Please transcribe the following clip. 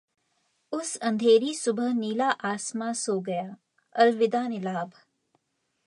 उस अंधेरी सुबह नीला आसमां सो गया, अलविदा नीलाभ